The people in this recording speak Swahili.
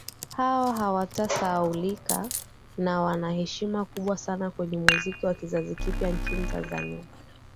Hawa hawatasahaulika na wana heshima kubwa sana kwenye muziki wa kizazi kipya nchini Tanzania